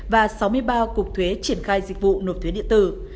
và sáu mươi ba cục thuế triển khai dịch vụ nộp thuế điện tử